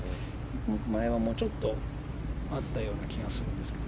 前は、もうちょっとあったような気がしますが。